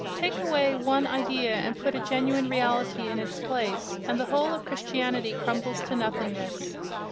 Take away one idea and put a genuine reality in its place—and the whole of Christianity crumbles to nothingness!